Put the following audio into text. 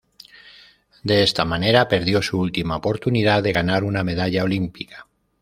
De esta manera perdió su última oportunidad de ganar una medalla olímpica.